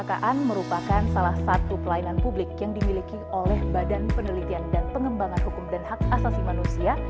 perkaan merupakan salah satu pelayanan publik yang dimiliki oleh badan penelitian dan pengembangan hukum dan hak asasi manusia